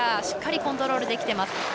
しっかりコントロールできてます。